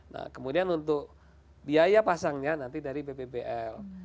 nah kemudian untuk biaya pasangnya nanti dari bpbl